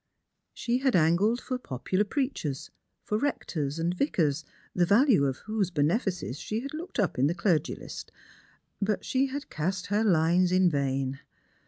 She had angled for popular preachers, for rectors and vicars, the value of whose benefices she had looked up in the Clergy list ; but she had cast her lines in vain.